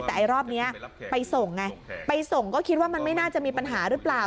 แต่ไอ้รอบนี้ไปส่งไงไปส่งก็คิดว่ามันไม่น่าจะมีปัญหาหรือเปล่า